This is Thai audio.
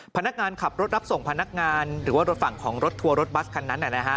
พนักงานขับรถรับส่งพนักงานหรือว่ารถฝั่งของรถทัวร์รถบัสคันนั้น